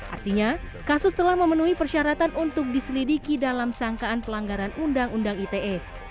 artinya kasus telah memenuhi persyaratan untuk diselidiki dalam sangkaan pelanggaran undang undang ite